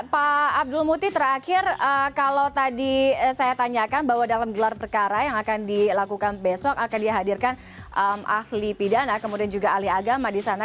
pak abdul muti terakhir kalau tadi saya tanyakan bahwa dalam gelar perkara yang akan dilakukan besok akan dihadirkan ahli pidana kemudian juga ahli agama di sana